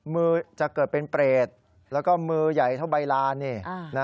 มือจะเกิดเป็นเปรตแล้วก็มือใหญ่เท่าใบลานนี่